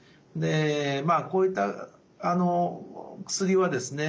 こういった薬はですね